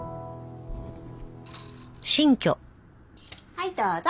はいどうぞ！